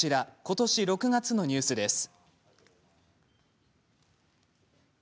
今年６月のニュースです。